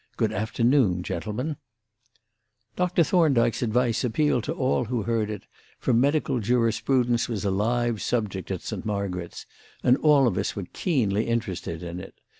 Good afternoon, gentlemen." Dr. Thorndyke's advice appealed to all who heard it, for medical jurisprudence was a live subject at St. Margaret's and all of us were keenly interested in it.